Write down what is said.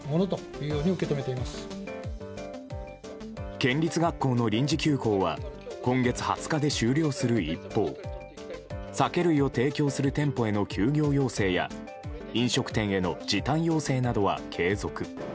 県立学校の臨時休校は今月２０日で終了する一方酒類を提供する店舗への休業要請や飲食店への時短要請などは継続。